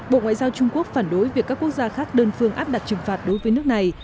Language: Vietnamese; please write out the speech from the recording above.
bộ ngoại giao trung quốc phản đối việc các quốc gia khác đơn phương áp đặt trừng phạt đối với nước này